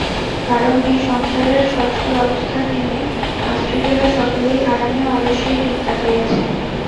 কারণ এ সংসারের স্বচ্ছল অবস্থার দিনে আশ্রিতেরা সকলেই আরামে ও আলস্যেই দিন কাটাইয়াছে।